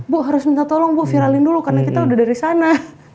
bu harus minta tolong bu viralin dulu karena kita udah dari sana